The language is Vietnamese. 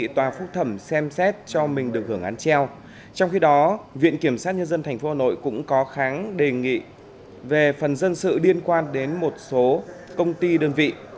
trong khi đó viện kiểm sát nhân dân tp hà nội cũng có kháng đề nghị về phần dân sự liên quan đến một số công ty đơn vị